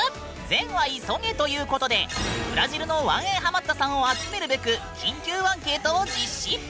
善は急げということでブラジルのワンエンハマったさんを集めるべく緊急アンケートを実施！